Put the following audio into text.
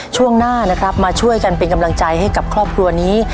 ช่วงหน้านะครับมาช่วยกันเป็นกำลังใจให้กับครอบครัวนี้